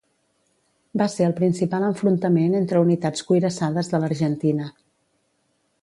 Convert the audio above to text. Va ser el principal enfrontament entre unitats cuirassades de l'Argentina.